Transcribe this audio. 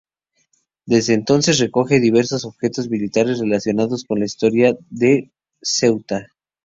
Desde entonces recoge diversos objetos militares relacionados con la historia de Ceuta.